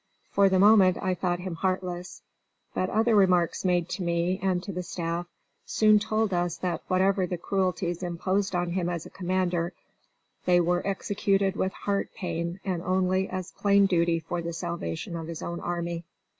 For the moment I thought him heartless, but other remarks made to me, and to the staff, soon told us that whatever the cruelties imposed on him as a commander, they were executed with heart pain and only as plain duty for the salvation of his own army.